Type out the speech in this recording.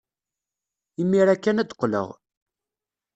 Imir-a kan ad d-qqleɣ.